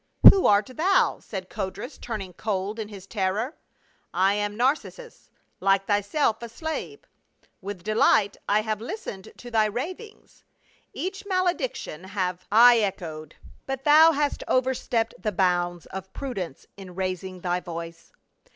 "Who art thou ?" said Codrus, turning cold in his terror. " I am Narcissus, like thyself, a slave. With delight have I listened to thy ravings ; each malediction have 5 66 PA UL. I echoed ; but thou hast overstepped the bounds of prudence in raising thy voice.